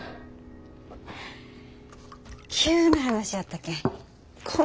急な話やったけんこん